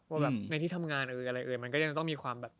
ว่าแบบในที่ทำงานอะไรเอ่ยมันก็ยังต้องมีความแบบ